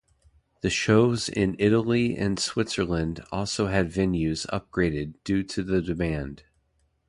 The shows in Italy and Switzerland also had venues upgraded due to the demand.